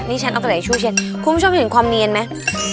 นี่ฉันเอาแต่ไหนชูเช็ดคุณผู้ชมเห็นความเนียนไหม